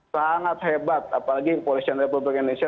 sangat hebat apalagi kepolisian republik indonesia